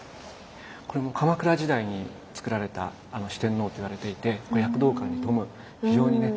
これも鎌倉時代につくられた四天王っていわれていて躍動感に富む非常にね